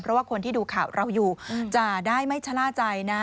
เพราะว่าคนที่ดูข่าวเราอยู่จะได้ไม่ชะล่าใจนะ